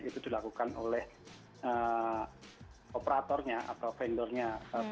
itu dilakukan oleh operatornya atau vendornya